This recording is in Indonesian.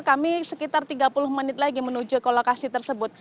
kami sekitar tiga puluh menit lagi menuju ke lokasi tersebut